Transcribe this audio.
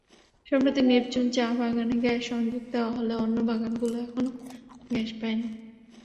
সম্প্রতি নেপচুন চা-বাগানে গ্যাস-সংযোগ দেওয়া হলেও অন্য বাগানগুলো এখনো গ্যাস পায়নি।